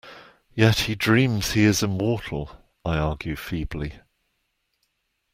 Yet he dreams he is immortal, I argue feebly.